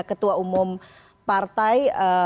ketua umum partai